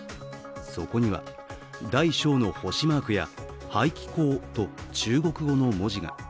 そこには、大小の星マークや排気孔と中国語の文字が。